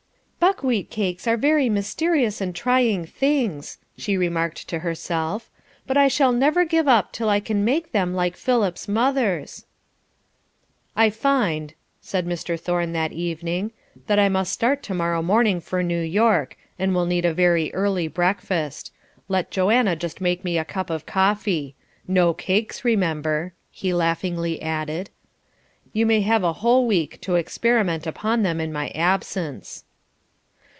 "Buckwheat cakes are very mysterious and trying things," she remarked to herself, "but I shall never give up till I can make them like Philip's mother's." "I find," said Mr. Thorne that evening, "that I must start to morrow morning for New York, and will need a very early breakfast. Let Joanna just make me a cup of coffee. No cakes, remember," he laughingly added. "You may have a whole week to experiment upon them in my absence."